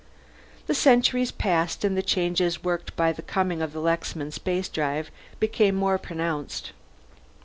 The centuries passed and the changes worked by the coming of the Lexman Spacedrive became more pronounced.